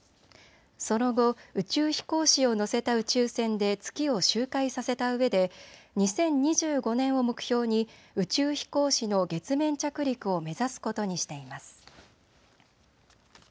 その後、宇宙飛行士を乗せた宇宙船で月を周回させたうえで２０２５年を目標に宇宙飛行士の月面着陸を目指すことにしています。